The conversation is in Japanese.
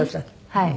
はい。